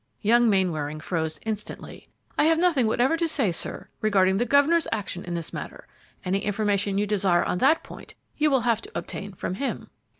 Young Mainwaring froze instantly. "I have nothing whatever to say, sir, regarding the governor's action in this matter; any information you desire on that point you will have to obtain from him."